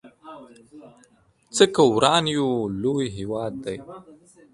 څه که وران يو لوی هيواد دی